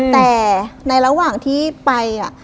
แต่ในระหว่างที่ไป